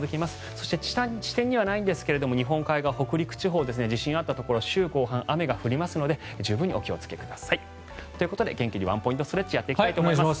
そして、地点にはないんですが日本海側、北陸地点地震があったところ週後半、雨が降りますので十分にお気をつけください。ということで元気にワンポイントストレッチやっていきたいと思います。